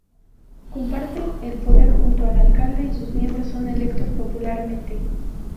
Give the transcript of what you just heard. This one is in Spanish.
Comparte el poder junto al Alcalde y sus miembros son electos popularmente.